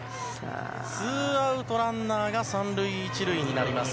ツーアウト、ランナーが３塁１塁になります。